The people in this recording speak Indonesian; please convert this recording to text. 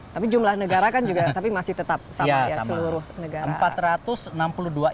tapi jumlah negara kan juga tapi masih tetap sama ya seluruh negara